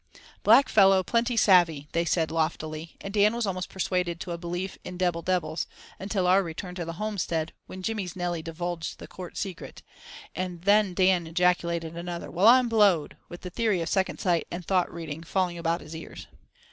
"Black fellow plenty savey," they said loftily, and Dan was almost persuaded to a belief in debbel debbels, until our return to the homestead, when Jimmy's Nellie divulged the Court secret; then Dan ejaculated another "Well, I'm blowed!" with the theory of second sight and thought reading falling about his ears.